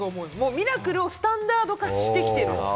ミラクルがスタンダード化している。